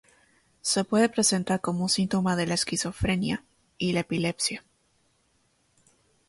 Se puede presentar como un síntoma de la esquizofrenia y la epilepsia.